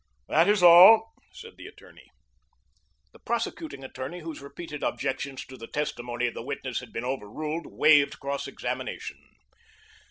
"That is all," said the attorney. The prosecuting attorney, whose repeated objections to the testimony of the witness had been overruled, waived cross examination.